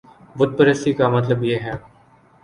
بت پرستی کا مطلب یہ ہے